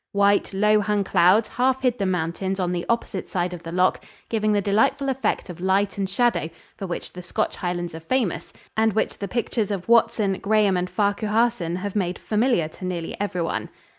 White, low hung clouds half hid the mountains on the opposite side of the loch, giving the delightful effect of light and shadow for which the Scotch Highlands are famous and which the pictures of Watson, Graham and Farquharson have made familiar to nearly everyone.